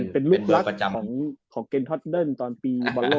เป็นลูกรักของเกนทอดเดิ้นตอนปีบอลโล่๙๘